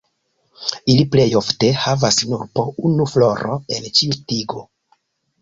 Ili plej ofte havas nur po unu floro en ĉiu tigo.